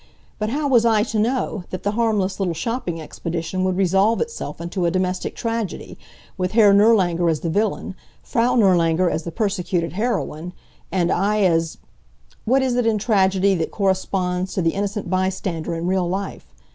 But how was I to know that the harmless little shopping expedition would resolve itself into a domestic tragedy, with Herr Nirlanger as the villain, Frau Nirlanger as the persecuted heroine, and I as what is it in tragedy that corresponds to the innocent bystander in real life?